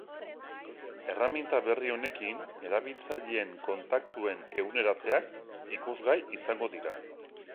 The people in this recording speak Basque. Erraminta berri honekin, erabiltzaileen kontaktuen eguneratzeak ikusgai izango dira.